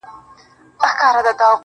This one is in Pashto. يو شاعر پرېږده په سجده چي څه شراب وڅيښي